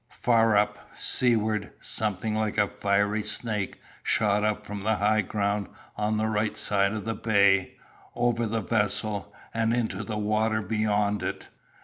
Far up, seawards, something like a fiery snake shot from the high ground on the right side of the bay, over the vessel, and into the water beyond it.